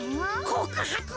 こくはく！？